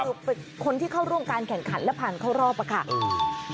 คือเป็นคนที่เข้าร่วมการแข่งขันและผ่านเข้ารอบอะค่ะ